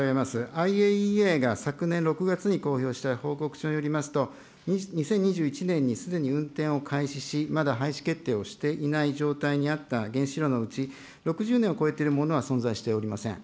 ＩＡＥＡが昨年６月に公表した報告書によりますと、２０２１年にすでに運転を開始し、まだ廃止決定をしていない状態にあった原子炉のうち６０年を超えているものは存在しておりません。